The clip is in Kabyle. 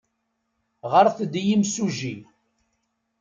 Ɣret-d i yimsujji.